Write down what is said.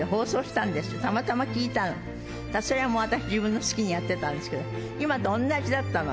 たまたま聞いたの、それはもう、私自分の好きにやってたんですけど、今と同じだったの。